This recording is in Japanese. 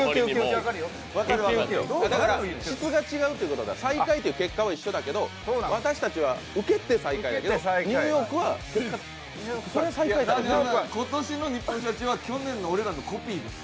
だから、質が違うということだ、最下位という結果は一緒やけど私たちは、ウケて最下位だけどニューヨークは今年のニッポンの社長は去年の俺たちのコピーです。